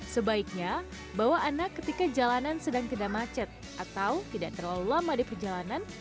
sebaiknya bawa anak ketika jalanan sedang kena macet atau tidak terlalu lama diperjalanan